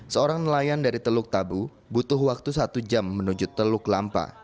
seorang nelayan dari teluk tabu butuh waktu satu jam menuju teluk lampa